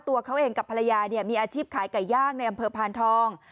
ตัวเขาเองกับภรรยามีอาชีพขายไก่ย่างในอำเภอพานทอง